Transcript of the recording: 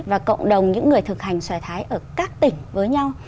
và cộng đồng những người thực hành xòe thái ở các tỉnh với nhau